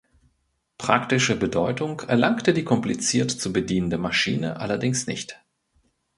Praktische Bedeutung erlangte die kompliziert zu bedienende Maschine allerdings nicht.